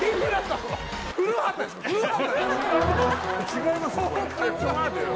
違いますよ